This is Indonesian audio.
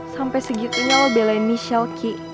sampai segitunya lo belai michelle ki